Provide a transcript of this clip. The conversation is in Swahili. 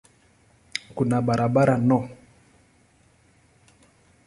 Kuna barabara no.